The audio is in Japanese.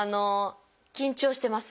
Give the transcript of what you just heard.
緊張してます。